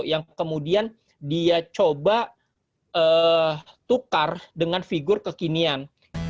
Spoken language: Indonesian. yang kemudian dia coba tukar dengan figur kekinian